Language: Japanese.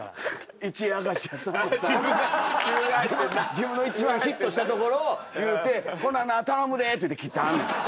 自分の一番ヒットしたところを言うて「ほなな頼むで」って言って切ってはんねん。